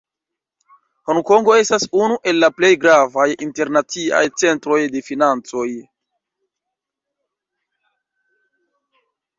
Honkongo estas unu el la plej gravaj internaciaj centroj de financoj.